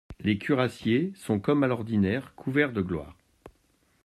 Les cuirassiers se sont, comme à l'ordinaire, couverts de gloire.